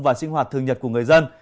và sinh hoạt thường nhật của người dân